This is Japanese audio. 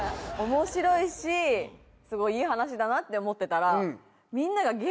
面白いしすごいいい話だなって思ってたら。